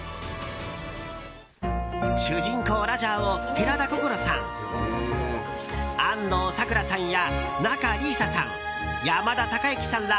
主人公ラジャーを、寺田心さん安藤サクラさんや仲里依紗さん、山田孝之さんら